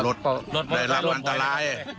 รถได้รับอันตราย